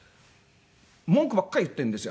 文句ばっかり言ってるんですよ